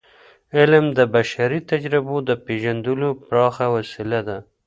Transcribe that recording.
علم د بشري تجربو د پیژندلو پراخه وسیله ده.